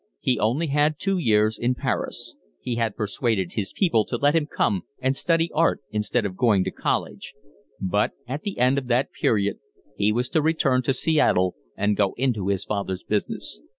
He only had two years in Paris: he had persuaded his people to let him come and study art instead of going to college; but at the end of that period he was to return to Seattle and go into his father's business.